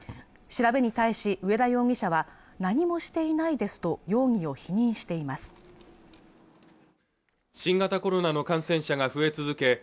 調べに対し上田容疑者は何もしていないですと容疑を否認しています新型コロナの感染者が増え続け